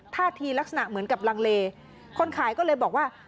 ท่าทีลักษณะเหมือนกับลังเลคนขายก็เลยบอกว่า